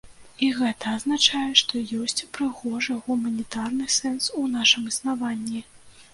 І гэта азначае, што ёсць прыгожы гуманітарны сэнс у нашым існаванні.